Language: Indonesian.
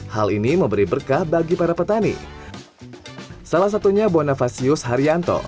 hal ini memberi berkah bagi pelanggan yang berada di dalam kota labuan bajo